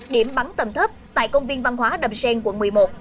điểm bắn tầm thấp tại công viên văn hóa đầm xen quận một mươi một